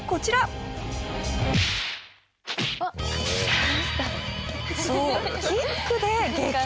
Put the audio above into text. そうキックで撃退！